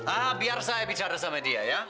ah biar saya bicara sama dia ya